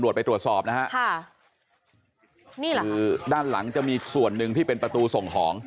ไปตรวจสอบนะฮะค่ะนี่แหละคือด้านหลังจะมีส่วนหนึ่งที่เป็นประตูส่งของ